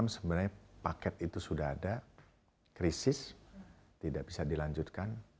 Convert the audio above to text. sebelum seribu sembilan ratus sembilan puluh enam sebenarnya paket itu sudah ada krisis tidak bisa dilanjutkan